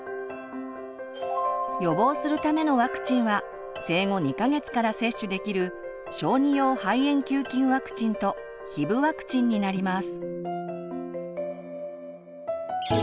予防するためのワクチンは生後２か月から接種できる小児用肺炎球菌ワクチンとヒブワクチンになります。